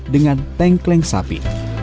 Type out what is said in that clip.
dengan tengkleng sapi